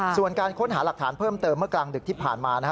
ส่วนการค้นหาหลักฐานเพิ่มเติมเมื่อกลางดึกที่ผ่านมานะฮะ